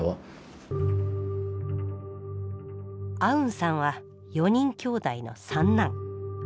アウンさんは４人兄弟の三男。